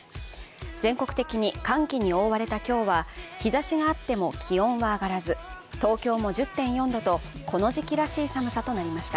全国的に寒気に覆われた今日は日ざしがあっても、気温は上がらず東京も１０．４度と、この時期らしい寒さとなりました。